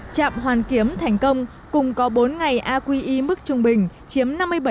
trạm hoàn kiếm thành công cùng có bốn ngày aqi mức trung bình chiếm năm mươi bảy